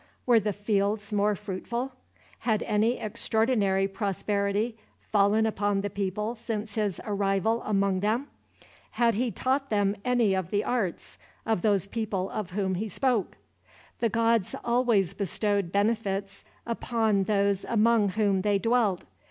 Were the fields more fruitful? Had any extraordinary prosperity fallen upon the people since his arrival among them? Had he taught them any of the arts of those people of whom he spoke? The gods always bestowed benefits upon those among whom they dwelt.